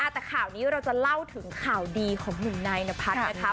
แต่ข่าวนี้เราจะเล่าถึงข่าวดีของหนุ่มนายนพัฒน์นะคะ